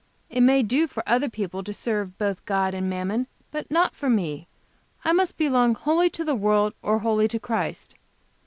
It may do for other people to serve both God and Mammon, but not for me. I must belong wholly to the world or wholly to Christ."